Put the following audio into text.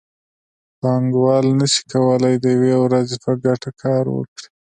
پانګوال نشي کولی د یوې ورځې په ګټه کار وکړي